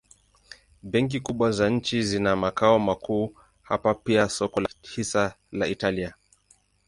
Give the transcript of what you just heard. Benki kubwa za nchi zina makao makuu hapa pia soko la hisa la Italia.